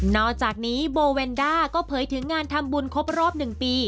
อกจากนี้โบเวนด้าก็เผยถึงงานทำบุญครบรอบ๑ปี